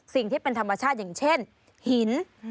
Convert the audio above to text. สิ่งที่เป็นธรรมชาติอย่างเช่นหิน